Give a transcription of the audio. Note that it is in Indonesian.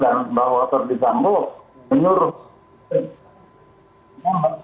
jadi kan bahwa ferdi sambu menyuruh almarz